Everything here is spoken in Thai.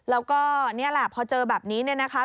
แล้วก็นี่แหละพอเจอแบบนี้เนี่ยนะคะ